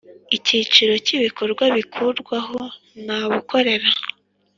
Icyiciro cy Ibikorwa bihurirwaho nabukorera